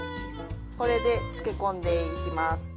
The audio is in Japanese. これで漬け込んで行きます。